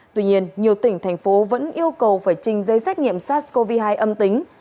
tuy nhiên nhiều tỉnh thành phố vẫn yêu cầu phải trình giấy xét nghiệm sars cov hai âm tính